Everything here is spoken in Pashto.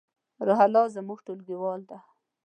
روح الله زمونږ ټولګیوال ده